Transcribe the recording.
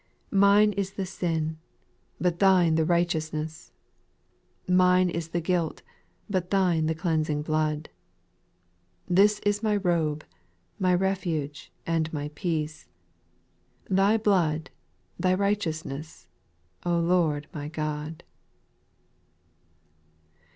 5. Mine is the sin, but Thine the righteousness ; Mine is the guilt, but Thine the cleansing blood. This is my robe, my refuge, and my peace — Thy blood. Thy righteousness, O Lord my God.